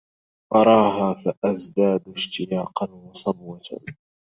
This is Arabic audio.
أراها فأزداد اشتياقا وصبوة